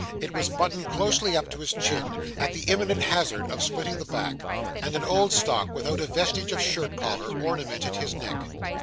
It was buttoned closely up to his chin, at the imminent hazard of splitting the back; and an old stock, without a vestige of shirt collar, ornamented his neck.